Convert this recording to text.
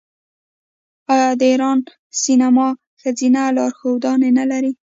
آیا د ایران سینما ښځینه لارښودانې نلري؟